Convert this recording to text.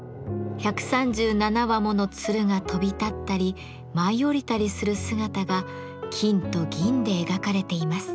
１３７羽もの鶴が飛び立ったり舞い降りたりする姿が金と銀で描かれています。